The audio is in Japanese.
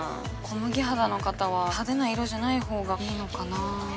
小麦肌の方は派手な色じゃないほうがいいのかな？